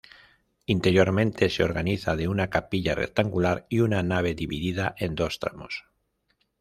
Interiormente, se organiza de una capilla rectangular y una nave dividida en dos tramos.